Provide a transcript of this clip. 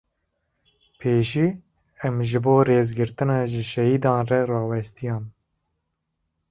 Pêşî em ji bo rêzgirtina ji şehîdan re rawestiyan.